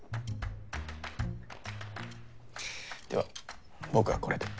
では僕はこれで。